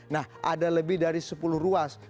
nah ada lebih dari sepuluh ruas